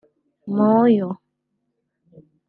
Moyo